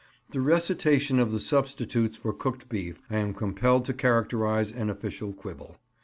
The recitation of the substitutes for cooked beef I am compelled to characterise an official quibble.